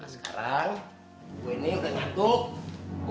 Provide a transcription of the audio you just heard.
sekarang gue ini udah ngantuk